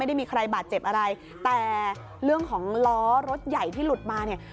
ได้มีใครบาดเจ็บอะไรแต่เรื่องของล้อรถใหญ่ที่หลุดมาเนี่ย